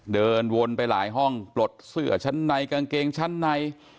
เดินวนไปหลายห้องปลดเสื้อชั้นในกางเกงชั้นใน